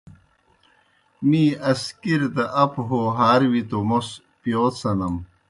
می اسکِریْ دہ اپوْ ہو ہار وی توْ موْس پِیؤ سنَم۔